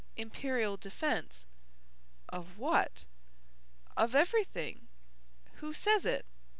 "Imperial defence." "Of what?" "Of everything." "Who says it?"